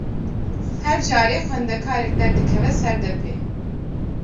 Her carê xwendekarek derdikeve ser depê.